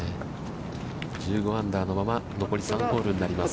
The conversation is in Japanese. １５アンダーのまま、残り３ホールになります。